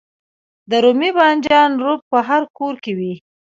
د رومي بانجان رب په هر کور کې وي.